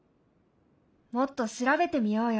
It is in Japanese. もっと調べてみようよ。